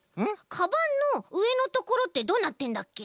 かばんのうえのところってどうなってるんだっけ？